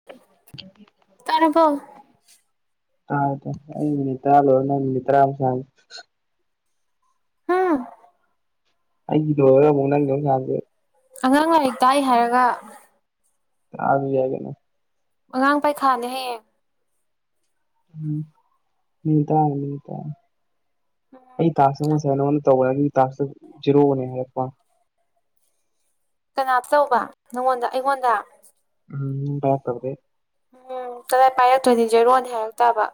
[inaudible] ꯇꯔꯕꯣ ꯇꯥ ꯑꯩ ꯃꯇ꯭ꯔꯥꯜꯣꯅ ꯃꯇ꯭ꯔꯥ ꯑꯃ ꯁ ꯍꯝ ꯑꯩꯗ ꯅꯪ ꯌ ꯌꯥꯦ ꯑꯉꯥꯡ ꯂꯥꯏꯔꯤꯛ ꯇꯥꯛꯏ ꯍꯥꯏꯔꯒ ꯇꯔꯁꯨ ꯌꯥꯏ ꯀꯩꯅꯣ ꯑꯉꯥꯡ ꯄꯥꯏꯈꯥꯅꯦ ꯍꯌꯦꯡ ꯃꯤꯇ ꯃꯤꯇ ꯑꯩ ꯇꯁꯨ ꯅꯉꯣꯟꯗ ꯇꯧꯕꯇ ꯖꯤꯔꯣꯅꯦ ꯍꯥꯏꯔꯛꯄꯣ ꯀꯅꯥ ꯇꯧꯕ ꯅꯪꯉꯣꯟꯗ ꯑꯩꯉꯣꯟꯗ ꯎꯝ ꯇꯔꯗꯦ ꯎꯝ ꯀꯗꯥꯏ ꯄꯥꯏꯔꯛꯇꯣꯏꯅꯤ ꯖꯦꯔꯣꯟ ꯍꯥꯏꯔꯛꯇꯥꯕ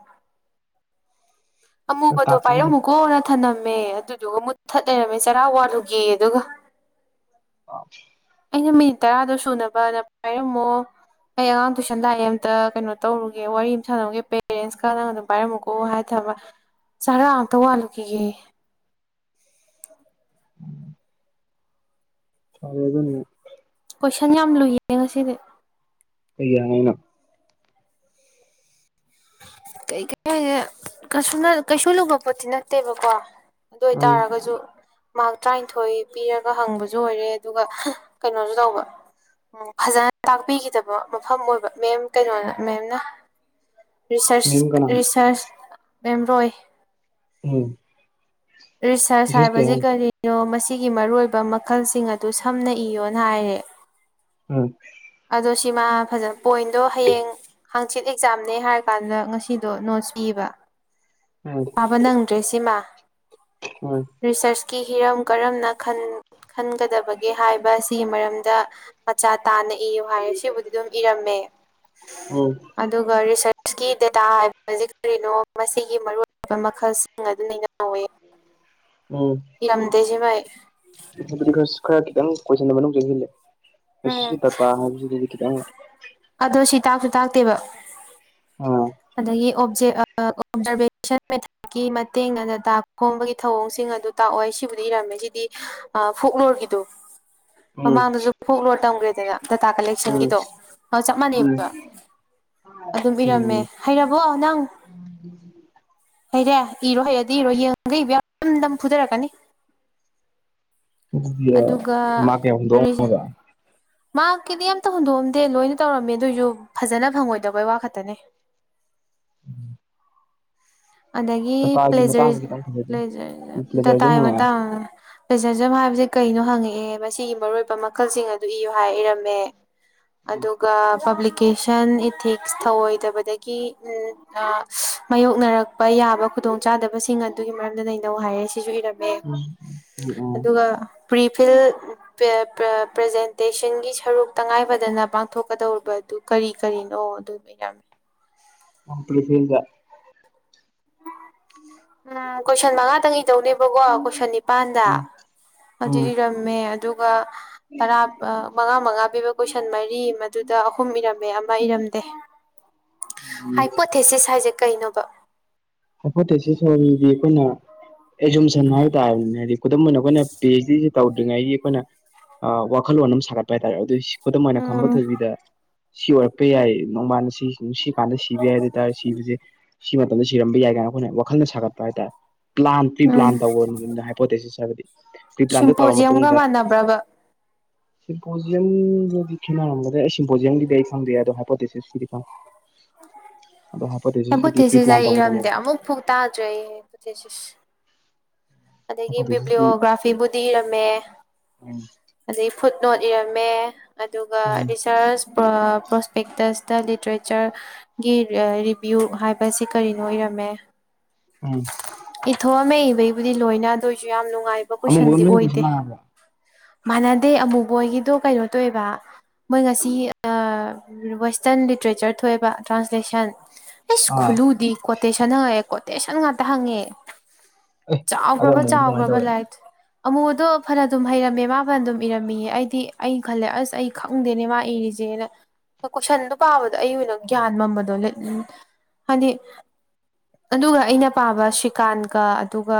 ꯑꯃꯨꯕꯗꯣ ꯇꯥꯛꯁ ꯑꯃꯗꯤ ꯄꯥꯏꯔꯝꯃꯨꯀꯣꯅ ꯊꯝꯂꯝꯝꯃꯦ ꯑꯗꯨꯗꯨꯒ ꯃꯨꯠꯊꯠ ꯂꯩꯔꯝꯃꯦ ꯆꯔꯥ ꯋꯥꯠꯂꯨꯒꯦ ꯑꯗꯨꯒ ꯑꯣ ꯑꯩꯅ ꯃꯤꯅꯤꯠ ꯇꯔꯥꯗꯣ ꯁꯨꯅꯕꯅ ꯄꯥꯏꯔꯝꯃꯣ ꯑꯩ ꯑꯉꯥꯡ ꯇꯨꯏꯁꯟ ꯂꯥꯛꯑꯦ ꯑꯝꯇ ꯀꯩꯅꯣ ꯇꯧꯔꯨꯒꯦ ꯋꯥꯔꯤ ꯑꯃꯇ ꯁꯥꯟꯅꯔꯨꯒꯦ ꯄꯦꯔꯦꯟꯁꯀ ꯅꯪ ꯑꯗꯨꯝ ꯄꯥꯏꯔꯝꯃꯨꯀꯣ ꯑꯣ ꯍꯥꯏ ꯊꯕ ꯆꯔꯥ ꯑꯝꯇ ꯋꯥꯜꯂꯨꯈꯤꯒꯦ ꯆꯔꯦ ꯑꯗꯨꯅꯤ ꯀꯣꯏꯁꯟ ꯌꯥꯝ ꯂꯨꯏꯌꯦ ꯉꯁꯤꯗꯤ ꯀꯩ-ꯀꯩ ꯍꯪꯉꯛ ꯏꯅꯣ ꯀ ꯀ ꯍꯥꯏꯦ ꯀ ꯀꯩꯁꯨ ꯂꯨꯕ ꯄꯣꯠꯇꯤ ꯅꯠꯇꯦꯕꯀꯣ ꯑꯗꯨ ꯎꯝ ꯑꯣꯏꯇꯥꯔꯒꯁꯨ ꯃꯍꯥꯛ ꯇꯔꯥꯅꯤꯊꯣꯏ ꯄꯤꯔꯒ ꯍꯪꯕꯁꯨ ꯑꯣꯏꯔꯦ ꯑꯗꯨꯒ ꯀꯩꯅꯣꯁꯨ ꯇꯧꯕ ꯎꯝ ꯐꯖꯅ ꯇꯥꯛꯄꯤꯈꯤꯗꯕ ꯃꯐꯝ ꯑꯣꯏꯕ ꯃꯦꯝ ꯀꯩꯅꯣꯅ ꯃꯦꯝꯅ ꯔꯤꯁꯔꯁ ꯃꯤꯡ ꯀꯅꯥ ꯔꯤꯁꯔꯁ ꯃꯦꯝꯔꯣꯏ ꯎꯝ ꯔꯤꯁꯔꯁ ꯃꯤꯁꯦꯁ ꯍꯥꯏꯕꯁꯤ ꯀꯌꯥꯝ ꯀꯔꯤꯅꯣ ꯃꯁꯤꯒꯤ ꯃꯔꯨꯑꯣꯏꯕ ꯃꯈꯜꯁꯤꯡ ꯑꯗꯨ ꯁꯝꯅ ꯏꯌꯣꯅ ꯍꯥꯏꯔꯦ ꯑꯥ ꯑꯗꯣ ꯁꯤꯃ ꯐꯖꯅ ꯄꯣꯏꯟꯗꯣ ꯍꯌꯦꯡ ꯍꯥꯡꯆꯤꯠ ꯑꯦꯛꯖꯥꯝꯅꯦ ꯍꯥꯏꯔ ꯀꯥꯟꯗ ꯉꯁꯤꯗꯣ ꯅꯣꯠꯁ ꯄꯤꯕ ꯎꯝ ꯄꯥꯕ ꯅꯪꯗ꯭ꯔꯦ ꯁꯤꯃꯥ ꯎꯝ ꯔꯤꯁꯔꯁꯀꯤ ꯍꯤꯔꯝ ꯀꯔꯝꯅꯟ ꯈꯟꯒꯗꯕꯒꯦ ꯍꯥꯏꯕ ꯑꯁꯤꯒꯤ ꯃꯔꯝꯗ ꯃꯆꯥ ꯇꯥꯅ ꯏꯌꯨ ꯍꯥꯏꯔꯦ ꯁꯤꯕꯨꯗꯤ ꯑꯗꯨꯝ ꯏꯔꯝꯃꯦ ꯎꯝ ꯑꯗꯨꯒ ꯔꯤꯁꯔꯁꯀꯤ ꯗꯦꯇꯥ ꯍꯥꯏꯕꯕꯁꯤ ꯀꯔꯤꯅꯣ ꯃꯁꯤꯒꯤ ꯃꯔꯨꯑꯣꯏꯕ ꯃꯈꯜꯁꯤꯡ ꯑꯗꯨ ꯅꯩꯅꯧꯑꯣꯌꯦ ꯎꯝ ꯏꯔꯝꯗꯦꯁꯦ ꯚꯥꯏ ꯍꯥꯏꯕꯗꯤ ꯈꯔ ꯈꯤꯇꯪ ꯀꯣꯏꯁꯟꯁꯦ ꯃꯅꯨꯡ ꯎꯝ ꯆꯪꯁꯤꯜꯂꯦ ꯇꯥꯇꯥ ꯍꯥꯏꯕꯁꯤꯗꯗꯤ ꯈꯤꯇꯪ ꯑꯗꯣ ꯁꯤ ꯇꯥꯛꯁꯨ ꯇꯥꯛꯇꯦꯕ ꯑꯣ ꯑꯗꯒꯤ ꯑꯣꯞꯖꯦꯛ ꯑꯥ ꯑꯣꯕꯖꯥꯔꯕꯦꯁꯟ ꯃꯦꯊꯠ ꯒꯤ ꯃꯇꯦꯡꯅꯅ ꯗꯇꯥꯥ ꯈꯣꯝꯕꯒꯤ ꯊꯧꯑꯣꯡꯁꯤꯡ ꯑꯗꯨ ꯇꯥꯛꯑꯣꯏ ꯁꯤꯕꯨꯗꯤ ꯏꯔꯝꯃꯦ ꯁꯤꯗꯤ ꯐꯣꯛꯂꯣꯔꯒꯤꯗꯣ ꯎꯝ ꯃꯃꯥꯡꯗꯁꯨ ꯐꯣꯛ ꯂꯣꯔ ꯇꯝꯈ꯭ꯔꯦꯗꯅ ꯗꯗꯥꯇꯥ ꯎꯝ ꯀꯂꯦꯛꯁꯟꯒꯤꯗꯣ ꯑ ꯆꯞ ꯎꯝ ꯃꯥꯟꯅꯩꯕ ꯑꯗꯨꯝ ꯎꯝ ꯏꯔꯝꯃꯦ ꯍꯩꯔꯕꯣ ꯅꯪ ꯍꯔꯦ ꯏꯔꯣ ꯍꯩꯔꯗꯤ ꯏꯔꯣ ꯌꯦꯡꯉꯒ ꯏꯕ ꯌꯥꯗ꯭ꯔ ꯗꯝ-ꯗꯝ ꯐꯨꯊꯔꯛꯀꯅꯤ ꯑꯗꯨꯒ ꯃꯥ ꯀꯌꯥꯗ ꯃꯥꯛꯀꯤꯗꯤ ꯑꯝꯇ ꯍꯨꯟꯗꯣꯛꯑꯝꯗꯦ ꯂꯣꯏꯅ ꯇꯧꯔꯝꯃꯦ ꯑꯗꯨꯑꯣꯏꯁꯨ ꯐꯖꯅ ꯐꯪꯉꯣꯏꯗꯕꯩ ꯋꯥ ꯈꯛꯇꯅꯦ ꯎꯝ ꯑꯗꯒꯤ ꯄ꯭ꯂꯦꯖꯔ ꯃꯇꯥꯡꯗ ꯈꯤꯇꯪ ꯐꯖꯗꯦ ꯄ꯭ꯂꯦꯖꯔ ꯄ꯭ꯂꯦꯖꯔꯁꯨ ꯇꯇꯥꯥꯚꯤ ꯃꯇꯥꯡ ꯍꯪꯉꯛꯑꯦ ꯄꯦꯁꯦꯟꯖꯝ ꯍꯥꯏꯕꯁꯦ ꯀꯩꯅꯣ ꯍꯪꯉꯛꯑꯦ ꯃꯁꯤꯒꯤ ꯃꯔꯨꯑꯣꯏꯕ ꯃꯈꯜꯁꯤꯡ ꯑꯗꯨ ꯏꯌꯣ ꯍꯥꯏ ꯏꯔꯝꯃꯦ ꯑꯗꯨꯒ ꯄꯕ꯭ꯂꯤꯀꯦꯁꯟ ꯏꯊꯤꯛꯁ ꯊꯧꯑꯣꯏꯗꯕꯗꯒꯤ ꯃꯥꯌꯣꯛꯅꯔꯛꯄ ꯌꯥꯕ ꯈꯨꯗꯣꯡꯆꯥꯥꯗꯕꯁꯤꯡ ꯑꯗꯨꯒꯤ ꯃꯔꯝꯗ ꯅꯩꯅ ꯅꯧ ꯍꯥꯏꯔꯦ ꯁꯤꯁꯨ ꯏꯔꯝꯃꯦ ꯎꯝ ꯑꯗꯨꯒ ꯄ꯭ꯔꯤ ꯐꯤꯜ ꯄ꯭ꯔꯖꯦꯟꯇꯦꯁꯟꯒꯤ ꯁꯔꯨꯛ ꯇꯉꯥꯏꯐꯗꯅ ꯄꯥꯡꯊꯣꯛꯀꯗꯧꯔꯤꯕꯗꯨ ꯀꯔꯤ ꯀꯔꯤꯅꯣ ꯑꯗꯨ [inaudible] [unintelligible] ꯎꯝ ꯀꯣꯏꯁꯟ ꯃꯉꯥꯇꯪ ꯏꯗꯧꯅꯦꯕꯀꯣ ꯀꯣꯏꯁꯟꯅꯤ ꯅꯤꯄꯥꯥꯟꯗ ꯎꯝ ꯑꯗꯨ ꯎꯝ ꯏꯔꯝꯃꯦ ꯑꯗꯨꯒ ꯇꯔꯥ ꯃꯉꯥ ꯃꯉꯥ ꯄꯤꯕ ꯀꯣꯏꯁꯟ ꯃꯔꯤ ꯃꯗꯨꯗ ꯑꯍꯨꯝ ꯏꯔꯝꯃꯦ ꯑꯃ ꯏꯔꯝꯗꯦ ꯍꯥꯏ ꯄꯣꯊꯦꯁꯤꯁ ꯍꯥꯏꯁꯦ ꯀꯩꯅꯣꯕ ꯍꯥꯏꯄꯣꯇꯦꯁꯤꯁ ꯁꯔꯤꯗꯤ ꯑꯩꯈꯣꯏꯅ ꯑꯦꯛꯖꯝꯁꯟ ꯍꯥꯏꯕ ꯇꯥꯔꯦꯅꯤꯅ ꯍꯥꯏꯗꯤ ꯈꯨꯗꯝ ꯑꯣꯏꯅ ꯑꯩꯈꯣꯏꯅ ꯄꯤ ꯑꯩꯆ ꯗꯤꯁꯤ ꯇꯧꯗ꯭ꯔꯤꯉꯩꯒꯤ ꯑꯩꯈꯣꯏꯅ ꯋꯥꯈꯜꯂꯣꯟ ꯑꯃ ꯁꯥꯒꯠꯄ ꯍꯥꯏꯇꯥꯥꯔꯦ ꯑꯗꯨꯑꯣꯏ ꯈꯨꯗꯝ ꯑꯣꯏꯅ ꯈꯝꯕ ꯎꯝ ꯊꯣꯏꯕꯤꯗ ꯁꯤ ꯑꯣꯏꯔꯛꯄ ꯌꯥꯏ ꯅꯣꯡꯃꯅ ꯁꯤ ꯅꯨꯡ ꯁꯤ ꯀꯥꯟꯗ ꯁꯤꯕ ꯌꯥꯏ ꯍꯥꯏ ꯑꯗꯨꯑꯣꯏꯇꯔꯗꯤ ꯁꯤꯕꯁꯦ ꯁꯤ ꯃꯇꯝꯗ ꯁꯤꯔꯝꯕ ꯌꯥꯏ ꯀꯥꯏꯅ ꯑꯩꯈꯣꯏꯅ ꯋꯥꯈꯜꯅ ꯁꯥꯒꯠꯄ ꯍꯥꯏꯇꯥꯔꯦ ꯄ꯭ꯂꯥꯟ ꯄ꯭ꯔꯤꯄ꯭ꯂꯥꯟ ꯎꯝ ꯇꯧꯑꯣ ꯅꯨꯃꯤꯠꯅ ꯍꯥꯏꯄꯣꯇꯦꯁꯤꯁ ꯍꯥꯏꯕꯗꯤ ꯇꯧꯔꯕ ꯁꯤꯝꯄꯣꯖꯤꯌꯝꯒ ꯃꯇꯨꯡꯗ ꯃꯥꯟꯅꯕ꯭ꯔꯕ ꯁꯤꯝꯄꯣꯖꯤꯌꯝꯒꯤꯗꯤ ꯈꯦꯠꯅꯔꯝꯕꯗꯤ ꯑꯗꯣ ꯁꯤꯝꯄꯣꯖꯤꯌꯝꯒꯤꯗꯤ ꯑꯩ ꯈꯪꯗꯤꯌꯦ ꯑꯗꯣ ꯍꯥꯏꯄꯣꯇꯦꯁꯤꯁꯀꯤꯗꯤ ꯈꯪꯉꯦ ꯑꯗꯣ ꯍꯥꯏꯄꯣꯇꯦꯁꯤꯁ ꯁꯤꯗꯤ ꯍꯥꯏꯄꯣꯊꯦꯁꯤꯁ ꯄ꯭ꯔꯤ-ꯄ꯭ꯂꯥꯜ ꯑꯩ ꯇꯧꯕ ꯏꯔꯝꯗꯦ ꯑꯃꯨꯛ ꯐꯨꯛ ꯇꯥꯗ꯭ꯔꯦ ꯑꯗꯒꯤ ꯍꯥꯏꯄꯣꯊꯦꯁꯤꯁꯇꯤ ꯕꯤꯕ꯭ꯂꯤꯑꯣꯒ꯭ꯔꯥꯐꯤꯕꯨꯗꯤ ꯏꯔꯝꯃꯦ ꯎꯝ ꯑꯗꯗꯒꯤ ꯐꯨꯗ ꯅꯣꯠ ꯏꯔꯝꯃꯦ ꯑꯗꯨꯒ ꯔꯤꯁꯔꯁ ꯄ꯭ꯔꯣꯁꯄꯦꯛꯇꯦꯁꯇ ꯂꯤꯇ꯭ꯔꯦꯆꯔ ꯒꯤ ꯔꯤꯚꯤꯌꯨ ꯍꯥꯏꯕꯁꯤ ꯀꯔꯤꯅꯣ ꯑꯣꯏꯔꯝꯃꯦ ꯎꯝ ꯏꯊꯣꯛꯑꯝꯃꯦ ꯏꯕꯩꯕꯨꯗꯤ ꯂꯣꯏꯅ ꯑꯗꯨꯏꯁꯨ ꯌꯥꯝ ꯅꯨꯡꯉꯥꯏꯕ ꯑꯃꯨꯕꯒ ꯀꯣꯏꯁꯟꯗꯤ ꯅꯣꯏꯒ ꯀꯣꯏꯁꯟ ꯑꯣꯏꯗꯦ ꯃꯥꯟꯅꯕ꯭ꯔꯣ ꯃꯥꯟꯅꯗꯦ ꯑꯃꯨꯕꯣꯏꯒꯤꯗꯣ ꯀꯩꯅꯣ ꯇꯧꯕ ꯃꯣꯏ ꯉꯁꯤ ꯋꯦꯁꯇꯔꯟ ꯂꯤꯇꯔꯦꯆꯔ ꯊꯣꯛꯑꯦꯕ ꯇ꯭ꯔꯥꯟꯁꯂꯦꯁꯟ ꯏꯁ ꯑꯥ ꯈꯨꯜꯂꯨꯗꯤ ꯀꯣꯇꯦꯁꯟ ꯍꯦꯉꯦ ꯀꯣꯇꯦꯁꯟ ꯉꯥꯛꯇ ꯍꯪꯉꯦ ꯑꯦ ꯑꯗꯣ ꯆꯎꯒ꯭ꯔꯕ ꯆ ꯑꯃꯨꯕꯗꯤ ꯆꯥꯎ ꯀꯃꯥꯏꯅ ꯑꯒ꯭ꯔꯕ ꯇꯧꯔꯦ ꯂꯥꯏ ꯑꯃꯨꯗꯣ ꯐꯅꯗꯨꯝ ꯍꯩꯔꯝꯃꯦ ꯃꯥ ꯐꯅ ꯑꯗꯨꯝ ꯏꯔꯝꯃꯤꯌꯦ ꯑꯩꯗꯤ ꯑꯩ ꯈꯜꯂꯦ ꯑꯁ ꯑꯩ ꯈꯪꯗꯦꯅꯦ ꯃꯥ ꯏꯔꯤꯁꯦꯅ ꯀꯣꯏꯁꯟꯗꯣ ꯄꯥꯕꯗꯣ ꯑꯩ ꯑꯣꯏꯅ ꯒ꯭ꯌꯥꯟ ꯃꯝꯕꯗꯣ ꯍꯥꯏꯗꯤ ꯑꯗꯨꯒ ꯑꯩꯅ ꯄꯥꯕ ꯁ꯭ꯔꯤꯀꯥꯟꯀ ꯑꯗꯨꯒ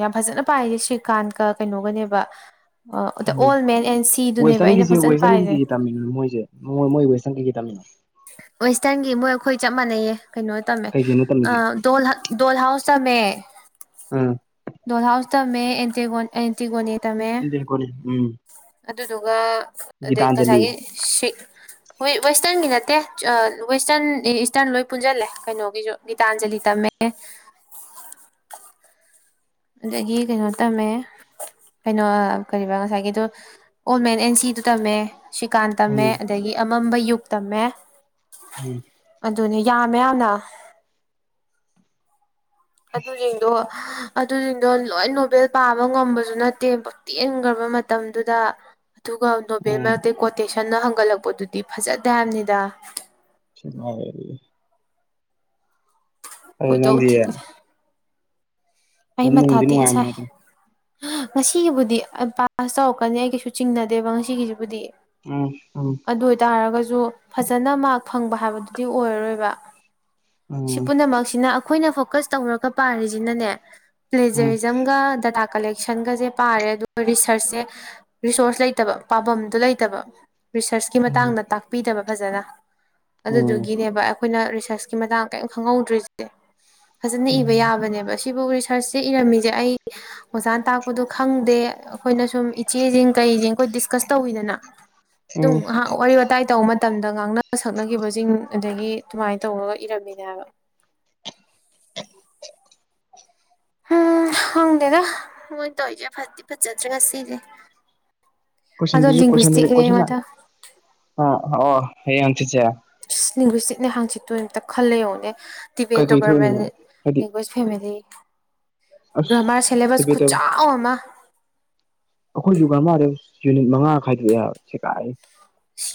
ꯌꯥꯝ ꯐꯖꯅ ꯄꯥꯏꯁꯦ ꯁ꯭ꯔꯤꯀꯥꯟꯀ ꯀꯩꯅꯣꯒꯅꯦꯕ [inaudible] ꯑꯗ ꯎꯝ ꯑꯣꯜ ꯃꯦꯟ ꯑꯦꯟ ꯁꯤꯗꯨꯅꯦꯕ ꯑꯩꯅ ꯋꯦꯁꯇꯔꯟꯒꯤꯁꯦ ꯐꯖꯅ ꯋꯦꯁꯇꯔꯟꯒꯤ ꯄꯥꯏꯔꯦ ꯀꯩ-ꯀꯩ ꯇꯝꯃꯤꯅꯣ ꯃꯣꯏꯁꯦ ꯃ ꯃꯣꯏ ꯋꯦꯁꯇꯔꯟ ꯀꯩ-ꯀꯩ ꯇꯝꯃꯤꯅꯣ ꯋꯦꯁꯇꯔꯟꯒꯤ ꯃꯣꯏ ꯑꯩꯈꯣꯏ ꯆꯞ ꯃꯥꯟꯅꯩꯌꯦ ꯀꯩꯅꯣ ꯇꯝꯃꯦ ꯀꯩꯀꯩꯅꯣ ꯇꯝꯃꯤꯁꯦ ꯗꯣ ꯗꯣꯜꯍꯥꯎ ꯆ ꯃ ꯎꯝ ꯗꯍꯥꯎꯁ ꯇꯝꯃꯦ ꯑꯦꯟꯇ ꯑꯦꯟꯇꯤꯒꯣꯅꯤ ꯇꯃꯦ ꯑꯥ ꯀꯣꯅꯤ ꯎꯝ ꯑꯗꯨꯗꯨꯒ ꯑꯗꯩ ꯒꯤꯇꯥꯟꯖꯂꯤ ꯉꯁꯥꯏꯒꯤ ꯁꯤ ꯍꯣꯏ ꯋꯦꯁꯇꯔꯟꯒꯤ ꯅꯠꯇꯦ ꯑ ꯋꯦꯁꯇꯔꯟ ꯏꯁꯇꯔꯟ ꯂꯣꯏ ꯄꯨꯟꯁꯤꯜꯂꯦ ꯀꯩꯅꯣꯒꯤꯁꯨ ꯅꯤꯇꯥꯟꯖꯂꯤ ꯇꯝꯃꯦ ꯑꯗꯒꯤ ꯀꯩꯅꯣ ꯇꯝꯃꯦ ꯀꯩꯅꯣ ꯀ ꯉꯁꯥꯏꯒꯤꯗꯣ ꯑꯣꯟꯂꯥꯏꯟ ꯑꯦꯟ ꯁꯤꯗꯨ ꯇꯝꯃꯦ ꯁꯤꯀꯥꯟ ꯇꯝꯃꯦ ꯎꯝ ꯑꯗꯒꯤ ꯑꯃꯝꯕ ꯌꯨꯛ ꯇꯝꯃꯦ ꯎꯝ ꯑꯗꯨꯅꯦ ꯌꯥꯝꯃꯦ ꯌꯥꯝꯅ ꯑꯗꯨꯅꯦ ꯑꯗꯣ ꯑꯗꯨꯁꯤꯡꯗꯣ ꯂꯣꯏ ꯅꯣꯕꯦꯜ ꯄꯥꯕ ꯉꯝꯕꯁꯨ ꯅꯠꯇꯦ ꯄꯛꯇꯦꯟꯈ꯭ꯔꯕ ꯃꯇꯝꯗꯨꯗ ꯑꯗꯨꯒ ꯅꯣꯕꯦꯜ ꯎꯝ ꯅꯇꯩ ꯀꯣꯇꯦꯁꯟꯅ ꯍꯪꯒꯠꯂꯛꯄꯗꯨꯗꯤ ꯐꯖꯗ ꯍꯥꯏꯕꯅꯤꯗ ꯁꯤꯉ [unintelligible] ꯑꯗꯨ ꯈꯣꯏꯗꯧ ꯅꯪꯗꯤ ꯊꯤꯠꯂꯦ ꯑꯩ ꯏ ꯑꯗꯨꯝ ꯃꯊꯥ ꯅꯨꯡꯗꯤ ꯊꯤꯥ ꯅꯨꯡꯉꯥꯏꯔꯝꯃꯦ ꯁꯥꯏ ꯑꯗꯨꯝ ꯉꯁꯤꯒꯤꯕꯨꯗꯤ ꯄꯥꯁ ꯇꯧꯔꯛꯀꯅꯤ ꯑꯩ ꯀꯩꯁꯨ ꯆꯤꯡꯅꯗꯦꯕ ꯉꯁꯤꯒꯤꯁꯤꯕꯨꯗꯤ ꯎꯝ ꯑꯗꯨ ꯑꯣꯏꯇꯥꯔꯒꯁꯨ ꯐꯖꯅ ꯃꯔꯛ ꯐꯪꯕ ꯍꯥꯏꯕꯗꯨꯗꯤ ꯑꯣꯏꯔꯔꯣꯏꯕ ꯎꯝ ꯁꯤ ꯄꯨꯝꯅꯃꯛꯁꯤꯅ ꯑꯩꯈꯣꯏꯅ ꯐꯣꯀꯁ ꯇꯧꯔꯒ ꯄꯥꯔꯤꯁꯤꯅꯅꯦ ꯎꯝ ꯄ꯭ꯂꯦꯖꯔꯤꯖꯝꯒ ꯗꯇꯥ ꯀꯂꯦꯛꯁꯟꯒꯁꯦ ꯄꯥꯔꯦ ꯑꯗꯨꯒ ꯔꯤꯁꯔꯁꯁꯦ ꯔꯤꯁꯣꯔꯁ ꯂꯩꯇꯕ ꯄꯥꯕꯝꯗꯨ ꯂꯩꯇꯕ ꯔꯤꯁꯔꯁ ꯀ ꯃꯇꯥꯡꯗ ꯇꯥꯛꯄꯤꯗꯕ ꯐꯖꯅ ꯎꯝ ꯑꯗꯨꯗꯨꯒꯤꯅꯦꯕ ꯑꯩꯈꯣꯏꯅ ꯔꯤꯁꯔꯁꯀꯤ ꯃꯇꯥꯡ ꯀꯔꯤ ꯈꯪꯍꯧꯗ꯭ꯔꯤꯁꯦ ꯐꯖꯅ ꯎꯝ ꯏꯕ ꯎꯝ ꯌꯥꯕꯅꯦꯕ ꯁꯤꯕꯨ ꯔꯤꯁꯔꯁꯁꯦ ꯏꯔꯝꯃꯤꯁꯦ ꯑꯩ ꯑꯣꯖꯥꯅ ꯇꯥꯛꯄꯗꯣ ꯈꯪꯗꯦ ꯑꯩꯈꯣꯏꯅ ꯁꯨꯝ ꯏꯆꯦꯁꯤꯡ ꯀꯩꯁꯤꯡ ꯑꯩꯈꯣꯏ ꯗꯤꯁꯀꯁ ꯇꯧꯋꯤꯗꯅ ꯎꯝ ꯑꯗꯨꯝ ꯉꯥꯏꯍꯥꯛ ꯋꯥꯔꯤ ꯋꯥꯇꯥꯏ ꯇꯧꯕ ꯃꯇꯝꯗ ꯉꯥꯡꯅ ꯁꯛꯅꯈꯤꯕꯁꯤꯡ ꯑꯗꯒꯤ ꯑꯗ ꯇꯧꯕꯥꯒ ꯏꯔꯝꯃꯤꯅꯦ ꯍꯥꯏꯕ ꯎꯝ ꯍꯪꯗꯦꯗ ꯃꯣꯏ ꯇꯧꯔꯤꯁꯦ ꯐꯗꯤ ꯐꯖꯗ꯭ꯔꯒ ꯉꯥꯁꯤꯁꯦ ꯑꯗꯣ ꯀꯣꯏꯁꯟꯗꯨꯁꯨ ꯂꯤꯡꯒꯨꯏꯁꯇꯤꯛ ꯃꯊꯪ ꯑ ꯑꯣ ꯍꯥꯌꯦꯡ ꯍꯪꯆꯨꯏ ꯁꯦ ꯂꯦꯡꯒ꯭ꯋꯦꯁꯇꯤꯛꯅꯦꯍꯥꯡꯆꯤꯠꯇꯣ ꯑꯝꯛꯇ ꯈꯜꯂ ꯌꯦꯉꯅꯦ ꯇꯤꯕꯦ ꯀꯩꯀꯩ ꯊꯣꯛꯏꯅꯣ ꯍꯥꯏꯗꯤ ꯇꯣꯕꯔꯃꯦꯟꯦꯡ ꯐꯦꯃꯤꯂꯤ ꯑꯁ ꯒ꯭ꯔꯃꯥꯔ ꯁꯤꯂꯦꯕꯁ ꯇꯤꯕꯦꯇꯕ ꯈꯨꯠꯆꯥꯎ ꯑꯃ ꯑꯩꯈꯣꯖꯨ ꯨꯒꯥꯔ ꯃꯥꯥꯗꯦ ꯌꯨꯅꯤꯠ ꯃꯉꯥ ꯈꯥꯏꯗꯣꯛꯑꯦ ꯁꯦ ꯀꯥꯏꯑꯦ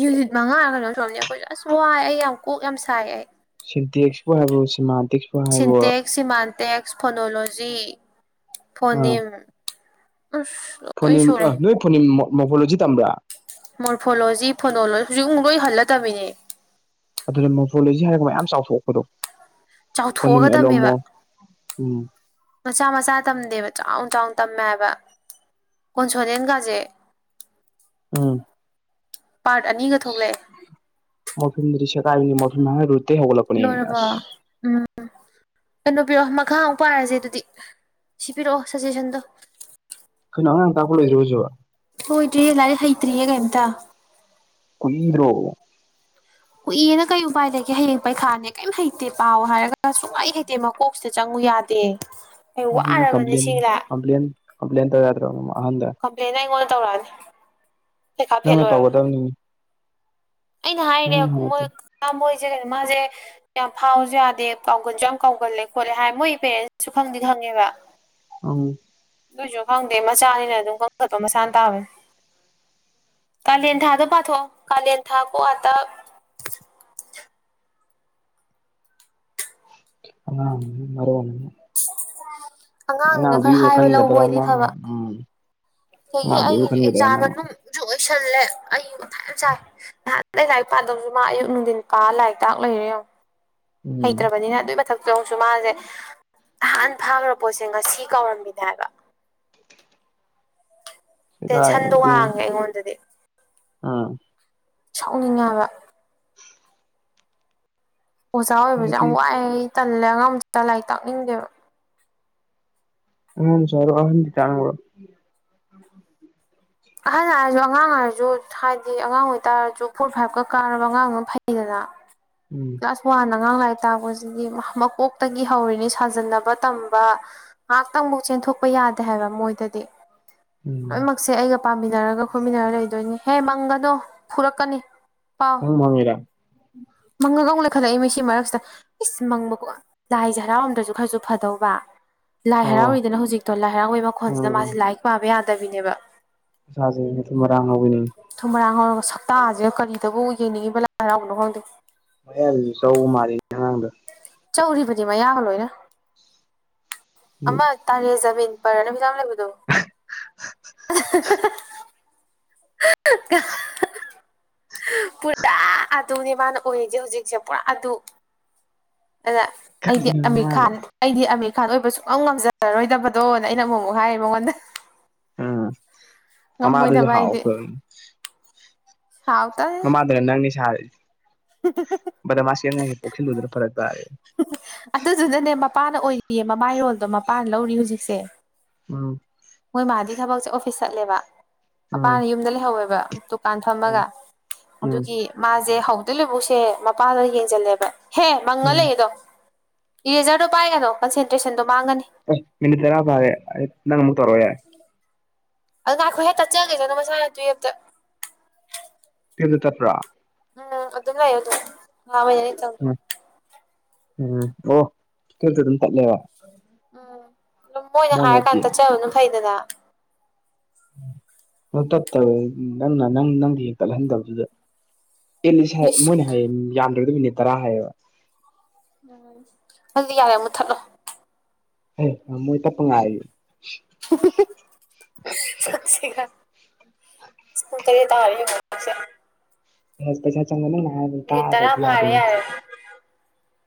ꯌꯨꯅꯤꯠ ꯃꯉꯥ ꯀꯩꯅꯣ ꯁꯣꯝꯅꯤ ꯑꯩꯈꯣꯏ ꯑꯁ ꯋꯥꯏ ꯑꯩ ꯌꯥꯝ ꯀꯣꯛ ꯌꯥꯝ ꯁꯥꯏ ꯑꯩ ꯁꯤꯇꯦꯛꯁꯄꯣ ꯍꯥꯏꯕꯣ semantics syntax semantics phonology phoneme ꯑꯁ ꯂꯣꯏ ꯐꯣꯟꯅꯤꯝ ꯑ ꯁꯨꯔꯦ ꯅꯣꯏ ꯐꯣꯟꯅꯤꯝ ꯃꯣꯕꯣꯂꯣꯖꯤ ꯇꯝꯕ꯭ꯔꯥ ꯃꯣꯔꯐꯣꯂꯣꯖꯤ ꯐꯣꯅꯣꯂꯣꯖꯤ ꯍꯧꯖꯤꯛ ꯑꯃꯨꯛ ꯂꯣꯏ ꯍꯜꯂ ꯇꯝꯃꯤꯅꯦ ꯑꯗꯨꯅ ꯃꯣꯐꯣꯂꯦꯖꯤ ꯍꯥꯏꯔꯒ ꯃꯌꯥꯝ ꯆꯥꯎꯊꯣꯛꯄꯗꯣ ꯐꯣꯅꯤꯝ ꯆꯥꯎꯊꯣꯛꯑꯒ ꯑꯦꯂꯣꯃꯣ ꯇꯝꯃꯦꯕ ꯎꯝ ꯃꯆꯥ ꯃꯆꯥ ꯇꯝꯗꯦꯕ ꯆꯥꯎ ꯆꯥꯎꯅ ꯇꯝꯃꯦꯕ ꯀꯣꯟꯁꯅꯦꯟ ꯀꯖꯦ ꯑꯝ ꯄꯥꯔꯠ ꯑꯅꯤꯒ ꯊꯣꯛꯂꯛꯑꯦ ꯃꯣꯐꯤꯟꯔꯤꯁꯦ ꯀꯥꯏ ꯃꯣꯐꯤꯟ ꯔꯨꯇꯇꯩ ꯍꯧꯒꯠꯂꯛꯄꯅꯤ ꯂꯣꯏꯔꯕꯣ ꯑꯁ ꯎꯝ ꯀꯩꯅꯣ ꯄꯤꯔꯛꯑꯣ ꯃꯈꯥ ꯑꯃꯨꯛ ꯄꯥꯏꯔꯁꯦ ꯑꯗꯨꯗꯤ ꯁꯤ ꯄꯤꯔꯛꯑꯣ ꯁꯖꯦꯁꯟꯗꯣ ꯀꯩꯅꯣ ꯑꯉꯥꯡ ꯇꯥꯀꯄꯥ ꯂꯣꯏꯗꯔ꯭ꯦꯕꯣꯍꯧꯁꯨꯕ ꯍꯣꯏꯗ꯭ꯔꯤ ꯂꯔꯦ ꯍꯩꯇ꯭ꯔꯤꯑꯦꯒꯦꯇ ꯀꯨꯣꯏꯟꯗ꯭ꯔꯣ ꯎꯏꯅ ꯀꯩ ꯎꯄꯥꯏꯗꯒꯤꯦ ꯍꯌꯦꯡ ꯄꯩꯈꯥꯅꯦ ꯀꯩꯝ ꯍꯩꯇꯦ ꯄꯥꯎ ꯍꯥꯏꯔꯒ ꯁꯨꯡ ꯍꯩ ꯍꯩꯇꯦ ꯅꯠꯇꯦ ꯃꯀꯣꯛꯁꯤꯗ ꯆꯪꯉꯨ ꯌꯥꯗꯦ ꯑꯩ ꯋꯥꯔꯕꯅꯦ ꯁꯤꯗ ꯀ꯭ꯂ [inaudible] [inaudible] ꯀꯝꯄ꯭ꯂꯦꯟꯅꯥ ꯑꯩꯩꯑꯣꯟꯗ ꯇꯧꯔꯛꯑ ꯅꯤ ꯅꯪꯅ ꯇꯧꯒꯗꯕꯅꯤ ꯑꯩꯅ ꯍꯥꯏꯔꯤꯅꯦ ꯅꯪꯅ ꯍꯥꯟꯅ ꯃꯣꯏ ꯇꯧ ꯃꯣꯏꯁꯦ ꯀꯣ ꯃꯥꯁꯦ ꯌꯥꯝ ꯐꯥꯎꯁꯨ ꯌꯥꯗꯦ ꯀꯥꯎꯒꯟꯁꯨ ꯌꯥꯝ ꯀꯥꯎꯒꯜꯂꯦ ꯈꯣꯠꯂꯦ ꯍꯥꯏ ꯃꯣꯏ ꯄꯦꯔꯦꯟꯁꯁꯨ ꯈꯪꯗꯤ ꯈꯪꯉꯦꯕ ꯑꯝ ꯅꯨꯏꯁꯨ ꯈꯪꯗꯦ ꯃꯆꯥꯅꯤꯅ ꯑꯗꯨꯝ ꯀꯟꯈꯠꯄ ꯃꯁꯥꯅ ꯇꯥꯕꯅꯦ ꯀꯥꯂꯦꯟ ꯊꯥꯗ ꯄꯥꯊꯣꯛꯑꯣ ꯀꯥꯂꯦꯟ ꯊꯥꯀꯣ ꯇꯛ ꯑ ꯃꯔꯑꯣꯅꯦ ꯑꯉꯥꯡꯅꯤꯅ ꯈꯔ ꯍꯥꯏꯕ ꯂꯧꯕ ꯈꯟꯒꯗ꯭ꯔꯥ ꯑꯣꯏꯗꯤ ꯅꯪꯅ ꯐꯕ ꯎꯝ ꯑꯗꯒꯤ ꯑꯩ ꯑꯉꯥꯡꯗꯨꯒꯤꯕꯨ ꯈꯟꯒꯗ꯭ꯔꯥ ꯑꯦꯛꯖꯥꯝ ꯅꯪ ꯃꯅꯨꯡꯁꯨ ꯑꯣꯏꯁꯜꯂꯦ ꯑꯩ ꯋꯥꯥꯏ ꯌꯥꯝ ꯆꯥꯏ ꯅꯍꯥꯟ ꯑꯩꯩ ꯂꯥꯏꯔꯤꯛ ꯄꯥꯗꯕꯁꯨ ꯃꯥ ꯑꯌꯨꯛ ꯅꯨꯡꯊꯤꯟ ꯄꯥ ꯂꯥꯏꯔꯤꯛꯇꯥꯛ ꯔꯦꯌꯦꯉꯣ ꯍꯩ ꯎꯝ ꯇ꯭ꯔꯕꯅꯤ ꯅ ꯑꯗꯨ ꯊ ꯆꯣꯡꯁꯨ ꯃꯥꯁꯦ ꯅꯍꯥꯟ ꯐꯥꯈ꯭ꯔꯕ ꯄꯣꯠꯁꯦ ꯉꯁꯤ ꯀꯥꯎꯔꯝꯃꯤꯅꯦ ꯍꯥꯏꯕ ꯁꯦꯒꯥꯏ ꯇꯦꯟꯁꯟꯗꯣ ꯑꯗꯨ ꯋꯥꯡꯉꯦ ꯑꯩꯉꯣꯟꯗꯗꯤ ꯑꯥ ꯁꯥꯎꯅꯤꯡꯉꯦ꯫ ꯍꯥꯏꯕ ꯑꯣꯖꯥ ꯑꯣꯏꯕꯁꯨ ꯌꯥꯝ ꯍꯧꯖꯤꯛꯇꯤ ꯋꯥꯏꯑꯦ ꯑꯩ ꯇꯜꯂꯦ ꯑꯅꯥꯡ ꯃꯆꯥ ꯂꯥꯏꯔꯤꯛ ꯇꯥꯛꯅꯤꯡꯗꯦꯕ ꯑꯥꯍꯟꯗꯤ ꯇꯥꯡꯕꯔꯑꯣ ꯑꯍꯟ ꯍꯥꯏꯔꯁꯨ ꯑꯉꯥꯡ ꯍꯥꯏꯔꯁꯨ ꯍꯥꯏꯗꯤ ꯑꯉꯥꯡ ꯑꯣꯏꯇꯥꯔꯁꯨ ꯐꯣꯔ ꯐꯥꯏꯚꯀ ꯀꯥꯔꯕ ꯑꯉꯥꯡ ꯑꯃ ꯐꯩꯗꯅ ꯎꯝ ꯀ꯭ꯂꯥꯁ ꯋꯥꯟ ꯑꯉꯥꯡ ꯂꯥꯏꯔꯤꯛ ꯇꯥꯛꯄꯁꯤꯗꯤ ꯃꯀꯣꯛꯇꯒꯤ ꯍꯧꯔꯤꯅꯤ ꯁꯥꯖꯟꯅꯕ ꯇꯝꯕ ꯉꯥꯏꯍꯥꯛꯇꯪ ꯑꯃꯨꯛ ꯆꯦꯟꯊꯣꯛꯄ ꯌꯥꯗꯦ ꯍꯥꯏꯕ ꯃꯣꯏꯗꯗꯤ ꯎꯝ ꯂꯣꯏꯅꯃꯛꯁꯦ ꯑꯩꯒ ꯄꯥꯃꯤꯟꯅꯔꯒ ꯈꯣꯠꯃꯤꯟꯅꯔꯒ ꯂꯩꯗꯣꯏ ꯅꯤ ꯍꯦ ꯃꯪꯒꯗꯣ ꯐꯨꯔꯛꯀꯅꯤ ꯃꯃꯤꯔ ꯃꯪꯒꯒꯧꯅꯛ ꯈꯜꯂꯛꯏ ꯃꯤꯁꯤ ꯃꯔꯛꯁꯤꯗ ꯏꯁ ꯃꯪꯗꯀꯣ ꯂꯥꯏꯁꯦ ꯍꯔꯥꯎꯔꯝꯗꯔꯁꯨ ꯈꯔꯁꯨ ꯐꯗꯧꯕ ꯂꯥꯏ ꯑꯣ ꯍꯔꯥꯎꯔꯤꯗꯅ ꯍꯧꯖꯤꯛꯇꯣ ꯂꯥꯏ ꯍꯔꯥꯎꯕꯩ ꯃꯈꯣꯟꯁꯤꯅ ꯎꯝ ꯃꯥꯁꯦ ꯂꯥꯏꯔꯤꯛ ꯄꯥꯕ ꯌꯥꯗꯕꯤꯅꯦꯕ ꯏꯁꯖꯦ ꯃꯊꯨꯝ ꯃꯔꯥꯡ ꯍꯧꯅꯤ ꯃꯊꯨꯝ ꯍꯔꯥꯡ ꯍꯧꯔꯒ ꯁꯛꯇꯥꯁꯤꯒ ꯀꯔꯤꯗꯕꯨ ꯌꯦꯡꯅꯤꯡꯉꯤꯕ ꯂꯥꯏ ꯍꯔꯥꯎꯕꯅꯣ ꯈꯪꯗꯦ ꯃꯌꯥꯁꯨ ꯆꯧꯕ ꯃꯥꯜꯂꯤ ꯑꯉꯥꯡꯗꯣ ꯆꯧꯔꯤꯕꯅꯤ ꯃꯌꯥꯒ ꯂꯣꯏꯅ ꯑꯃ ꯇꯥꯔꯦꯖꯃꯤꯟꯐꯤꯜꯂꯝ ꯂꯩꯕꯗꯣ ꯀ [unintelligible] ꯄꯨꯔꯥ ꯑꯗꯨꯅꯦ ꯃꯥꯅ ꯑꯣꯏꯔꯤꯁꯦ ꯍꯧꯖꯤꯛꯁꯦ ꯄꯨꯔꯥ ꯑꯗꯨ ꯑꯗ ꯑꯩꯗꯤ ꯊꯛꯏꯅꯦ ꯑꯃꯤꯔ ꯃꯥꯕꯨ ꯈꯥꯟ ꯑꯩꯗꯤ ꯑꯃꯤꯔ ꯈꯥꯟ ꯑꯣꯏꯕ ꯁꯨꯡꯛ ꯉꯝꯖꯔꯔꯣꯏꯗꯕꯗꯣꯅ ꯑꯩꯅ ꯑꯃꯨꯛ ꯑꯃꯨꯛ ꯍꯥꯏꯔꯤ ꯅꯤ ꯃꯉꯣꯟꯗ ꯎꯝ ꯉꯃꯣꯏꯗ ꯃꯃꯥꯗꯨꯁꯨ ꯕꯥꯏ ꯑꯩ ꯗ ꯍꯥꯎꯈ꯭ꯔꯕꯅꯤ ꯁꯥꯎ ꯇꯦ ꯅ ꯅꯪꯅꯤ ꯁꯔꯤꯖꯦ ꯎ ꯕꯗꯃꯥꯁ ꯄꯣꯛ ꯁꯤꯜꯂꯨꯗ ꯐꯔꯛ ꯄꯥꯔꯦ ꯑꯗꯨꯗꯨꯅꯅꯦ ꯃꯄꯥꯅ ꯑꯣꯏꯔꯤꯌꯦ ꯃꯃꯥꯏꯔꯣꯜꯗꯣ ꯃꯄꯥꯅ ꯂꯧꯔꯤ ꯍꯧꯖꯤꯛꯁꯦ ꯎꯝ ꯃꯣꯏ ꯃꯥꯗꯤ ꯊꯕꯛꯁꯦ ꯑꯣꯐꯤꯁ ꯆꯠꯂꯦꯕ ꯎꯝ ꯃꯄꯥꯅ ꯌꯨꯝꯗ ꯂꯩꯍꯧꯋꯦꯕ ꯇꯨ ꯀꯥꯟ ꯎꯝ ꯐꯝꯃꯥꯒ ꯎꯝ ꯑꯗꯨꯒꯤ ꯃꯥꯖꯦ ꯍꯧꯕꯗꯩꯩ ꯂꯣꯏꯕꯧꯁꯦ ꯃꯄꯥꯅ ꯌꯦꯡꯖꯜꯂꯦꯕ ꯍꯦ ꯃꯪꯉ ꯎꯝ ꯂꯩ ꯑꯗꯣ ꯏꯔꯦꯖꯔꯗꯣ ꯄꯥꯏꯒꯅꯣ ꯀꯟꯁꯟꯇ꯭ꯔꯦꯁꯟꯗꯣ ꯃꯥꯡꯒꯅꯤ ꯑꯁ ꯃꯤꯃꯤꯠ ꯇꯔꯥ ꯐꯔꯦ ꯑ ꯅꯪ ꯑꯃꯨꯛ ꯇꯧꯔꯣ ꯌꯥꯔꯦ ꯑꯗꯨꯅ ꯉꯥꯢꯈꯣꯍꯦ ꯇꯠꯆꯈꯤꯆꯥꯅꯣ ꯃꯁꯥꯅ ꯇꯨꯌꯦꯞꯇ ꯀꯗ ꯇꯠꯄ꯭ꯔꯥ ꯎꯝ ꯑꯗꯨ ꯂꯩ ꯑꯗꯨ [unintelligible] ꯎꯝ ꯎꯝ ꯑꯣ ꯇꯁꯨ ꯑꯗꯨꯝ ꯇꯠꯂꯦꯕ ꯎꯝ ꯑꯗꯨꯝ ꯃꯣꯏꯅ ꯍꯥꯏꯔꯀꯥꯟꯗ ꯇꯠꯆꯕꯅ ꯐꯩꯗꯅ ꯇꯠꯇ ꯅꯪꯅ ꯅꯪ ꯅꯪꯗꯤ ꯍꯦꯛ ꯇꯠꯍꯟꯗꯕꯗꯨꯗ ꯑꯦ [unintelligible] ꯏꯁ ꯃꯣꯏꯅ ꯍꯥꯏꯌꯦ ꯌꯥꯝꯗ꯭ꯔꯕꯥ ꯗ ꯃꯤꯅꯤꯠ ꯇꯔꯥ ꯍꯥꯏꯌꯦꯕ ꯎꯝ ꯑꯗꯨꯗꯤ ꯌꯥꯔꯦ ꯃꯨꯠꯊꯠꯂꯣ ꯍꯩ ꯃꯣꯏ ꯇꯠꯄ ꯉꯥꯏꯔꯤ [inaudible] ꯁꯛꯁꯤꯒ ꯄꯨꯡ ꯇꯔꯦꯠ ꯇꯔꯦ [unintelligible] ꯑꯁ ꯄꯩꯁꯥ ꯆꯪꯕꯥ ꯃꯣꯏꯅ ꯍꯥꯏꯔꯗꯤ ꯃꯤꯅꯤꯠ ꯇꯔꯥ ꯇꯥꯗꯕꯗꯤ ꯌꯥꯗꯦ ꯐꯥꯔꯦ ꯌꯥꯔꯦ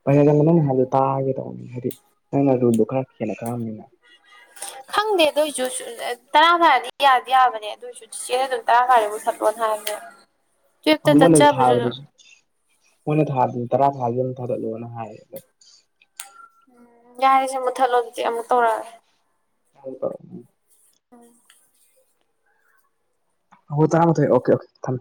ꯄꯩꯁꯥ ꯆꯪꯕ ꯅꯪꯅ ꯍꯥꯏꯕꯗꯣ ꯇꯥꯒꯦ ꯇꯧꯕꯅꯤ ꯍꯥꯏꯗꯤ ꯅꯪꯅ ꯔꯨꯜꯗꯣ ꯈꯔ ꯍꯦꯟꯅ ꯈꯉꯝꯅꯤꯅ ꯈꯪꯗꯦ ꯑꯗꯨꯏꯁꯨꯁꯨ ꯇꯔꯥ ꯐꯥꯔꯗꯤ ꯌꯥꯗꯤ ꯌꯥꯕꯅꯦ ꯑꯗꯨꯏꯁꯨ ꯆꯦꯆꯦꯅ ꯑꯗꯨꯝ ꯇꯔꯥ ꯐꯔꯗꯤ ꯃꯨꯊꯥꯠꯂꯣꯅ ꯍꯥꯢꯕꯅꯦꯕ ꯃꯣꯏꯅ ꯊꯥꯕꯗꯁꯨ ꯃꯣꯏꯅ ꯊꯥꯕꯗ ꯇꯔꯥ ꯐꯥꯔꯗꯤ ꯑꯗꯨꯝ ꯊꯥꯗꯠꯂꯣꯅ ꯍꯥꯏꯌꯦ ꯑꯗ ꯎꯝ ꯌꯥꯔꯤꯁꯦ ꯃꯨꯛꯊꯠꯂꯣꯗꯤ ꯑꯃꯨꯛ ꯇꯧꯔꯛꯑꯒꯦ ꯍꯥꯎ ꯎꯝ ꯍꯣ ꯇꯔꯥꯃꯥꯊꯣꯏ ꯑꯣꯀꯦ ꯑꯣꯀꯦ ꯊꯝꯃꯦ